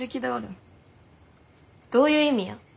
どういう意味や？